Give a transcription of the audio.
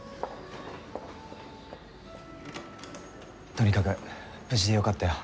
とにかく無事でよかったよ。